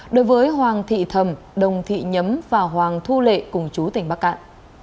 đối với hoàng thị thầm đồng thị nhấm và hoàng thu lệ cùng chú tỉnh bắc cạn